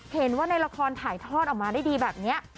เห็นว่าในละครถ่ายทอดออกมาได้ดีแบบนี้